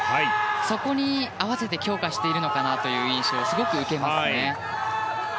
そこに合わせて強化しているのかなという印象をすごく受けます。